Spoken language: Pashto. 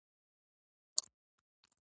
د تور بانجان ګل د څه لپاره وکاروم؟